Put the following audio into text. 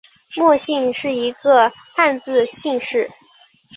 莫姓是一个汉字姓氏。